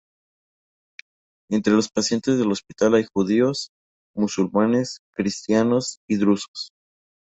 Entre los pacientes del hospital hay judíos, musulmanes, cristianos y drusos.